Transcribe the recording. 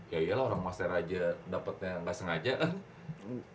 ya iyalah orang mas era aja dapetnya gak sengaja kan